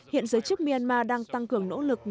hiện giới chức myanmar đang tăng cường nỗ lực nhằm ngăn chống